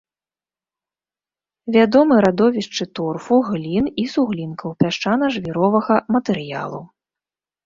Вядомы радовішчы торфу, глін і суглінкаў, пясчана-жвіровага матэрыялу.